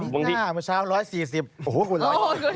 มีหน้าเมื่อเช้า๑๔๐โอ้โฮคุณร้อย